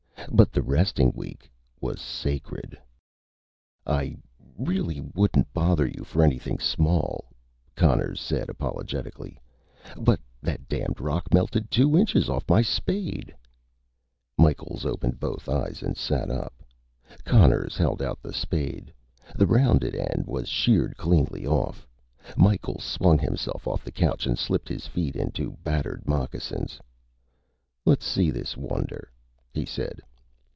But the resting week was sacred. "I really wouldn't bother you for anything small," Conners said apologetically. "But that damned rock melted two inches off my spade." Micheals opened both eyes and sat up. Conners held out the spade. The rounded end was sheared cleanly off. Micheals swung himself off the couch and slipped his feet into battered moccasins. "Let's see this wonder," he said.